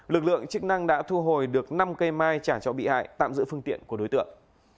lực lượng chức năng đã thu hồi được năm cây mai trả cho bị hại tạm giữ phương tiện của đối tượng